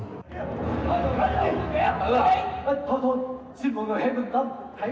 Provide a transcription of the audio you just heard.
từ hiệu ứng khán giả